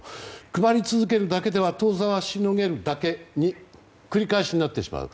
配り続けるだけでは当座はしのげるだけの繰り返しになってしまう。